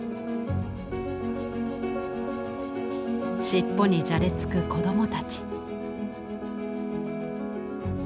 尻尾にじゃれつく子どもたち。